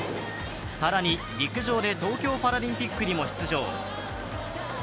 更に、陸上で東京パラリンピックにも出場。